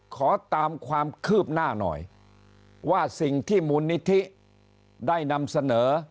ขอตามความคืบหน้าหน่อยว่าสิ่งที่มูลนิธิได้นำเสนอ